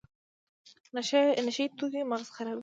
نشه یي توکي مغز خرابوي